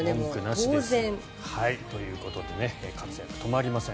当然。ということで活躍止まりません。